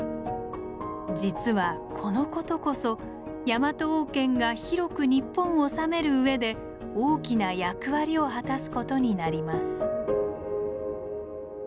実はこのことこそヤマト王権が広く日本を治めるうえで大きな役割を果たすことになります。